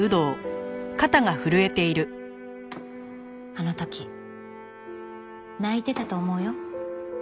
あの時泣いてたと思うよ。